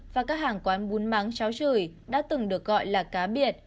và các hàng quán bún mắng cháo chửi đã từng được gọi là cá biệt